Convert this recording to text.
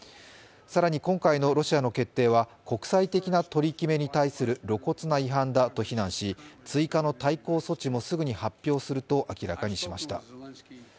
更に、今回のロシアの決定は国際的な取り決めに対する露骨な違反だと非難し追加の対抗措置もすぐに発表すると明らかにしました。